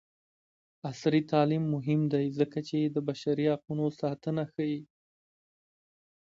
عصري تعلیم مهم دی ځکه چې د بشري حقونو ساتنه ښيي.